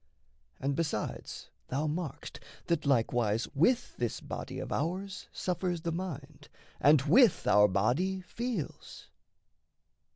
And besides Thou markst that likewise with this body of ours Suffers the mind and with our body feels.